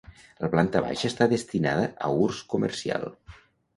La planta baixa està destinada a ús comercial.